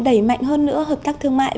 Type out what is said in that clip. đẩy mạnh hơn nữa hợp tác thương mại